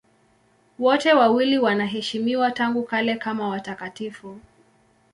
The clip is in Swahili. Wote wawili wanaheshimiwa tangu kale kama watakatifu.